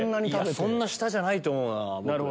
そんな下じゃないと思うなぁ。